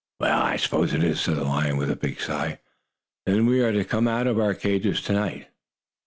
"Well, I suppose it is," said the lion with a big sigh. "Then we are to come out of our cages to night?"